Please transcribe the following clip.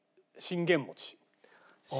信玄餅。